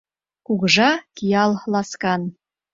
Кугыжа, киял ласкан!»